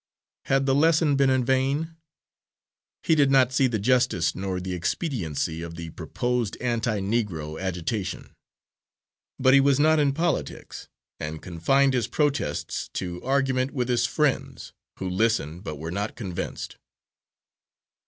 Had the lesson been in vain? He did not see the justice nor the expediency of the proposed anti Negro agitation. But he was not in politics, and confined his protests to argument with his friends, who listened but were not convinced.